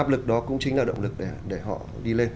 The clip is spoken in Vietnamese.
lực đó cũng chính là động lực để họ đi lên